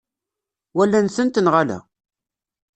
Walan-tent neɣ ala?